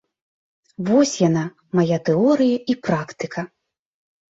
Вось яна, мая тэорыя і практыка.